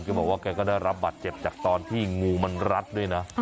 ก็บอกว่าแกก็ได้รับบัตรเจ็บจากตอนที่งูมันรัดด้วยนะ